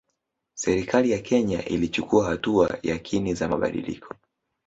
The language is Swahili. Serikali ya Kenya ilichukua hatua yakini za mabadiliko